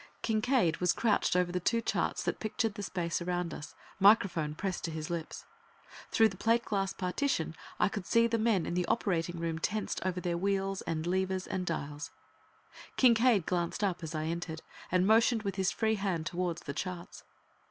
Kincaide was crouched over the two charts that pictured the space around us, microphone pressed to his lips. Through the plate glass partition I could see the men in the operating room tensed over their wheels and levers and dials. Kincaide glanced up as I entered, and motioned with his free hand towards the charts.